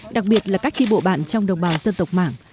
đặc biệt là các chi bộ bản trong đồng bào dân tộc mảng